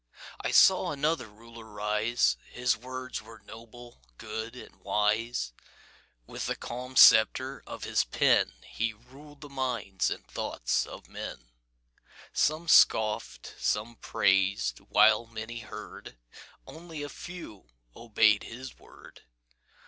I saw another Ruler rise His words were noble, good, and wise; With the calm sceptre of his pen He ruled the minds and thoughts of men; Some scoffed, some praised while many heard, Only a few obeyed his word.